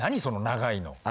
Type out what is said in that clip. その長いの。